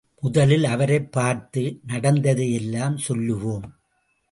முதலில் அவரைப் பார்த்து நடந்ததையெல்லாம் சொல்லுவோம்.